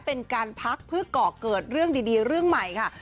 เป็นการพักเพื่อก่อเกิดเรื่องดีเรื่องใหม่ค่ะ